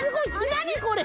なにこれ？